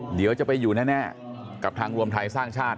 เดี๋ยวจะไปอยู่แน่กับทางรวมไทยสร้างชาติ